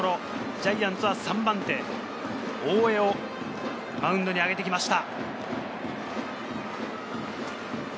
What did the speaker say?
ジャイアンツは３番手・大江をマウンドに上げてきました。